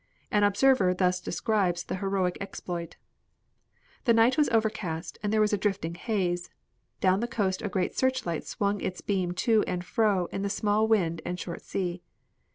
An observer thus describes the heroic exploit: The night was overcast and there was a drifting haze. Down the coast a great searchlight swung its beam to and fro in the small wind and short sea.